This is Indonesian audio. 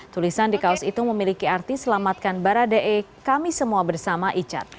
tulisan di kaos itu memiliki arti selamatkan barade kami semua bersama ichard